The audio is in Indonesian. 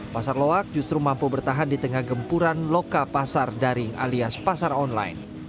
pasar loak justru mampu bertahan di tengah gempuran loka pasar daring alias pasar online